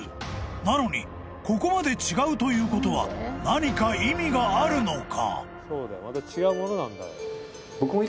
［なのにここまで違うということは何か意味があるのか？］